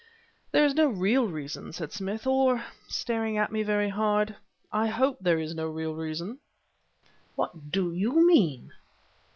"There is no real reason," said Smith; "or" staring at me very hard "I hope there is no real reason." "What do you mean?"